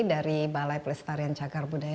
dari balai pelestarian cagar budaya